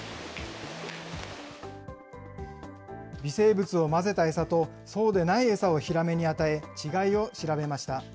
微生物を混ぜた餌と、そうでない餌をヒラメに与え、違いを調べました。